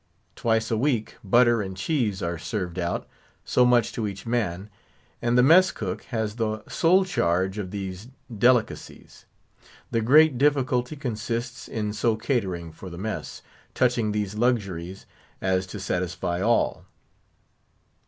Twice a week butter and cheese are served out—so much to each man—and the mess cook has the sole charge of these delicacies. The great difficulty consists in so catering for the mess, touching these luxuries, as to satisfy all.